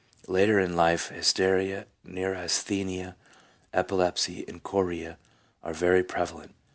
Later in life hysteria, neurasthenia, epilepsy, and chorea are very prevalent.